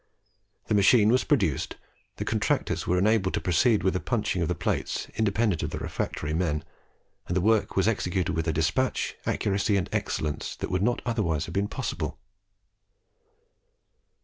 The machine was produced, the contractors were enabled to proceed with the punching of the plates independent of the refractory men, and the work was executed with a despatch, accuracy, and excellence that would not otherwise have been possible.